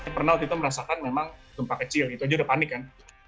pernah waktu itu merasakan memang gempa kecil gitu aja udah panik kan